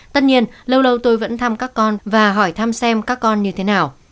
tất nhiên lâu lâu tôi vẫn thăm các con và hỏi thăm xem các con như thế nào